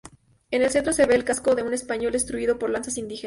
En el centro, se ve el casco de un español, destruido por lanzas indígenas.